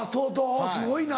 すごいな。